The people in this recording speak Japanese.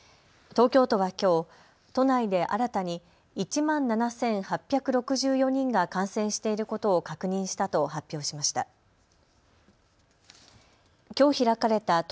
東京都はきょう、都内で新たに１万７８６４人が感染していることを確認したと発表しました。